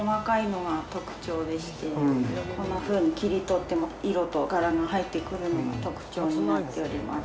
こんなふうに切り取っても色と柄が入ってくるのが特徴になっております。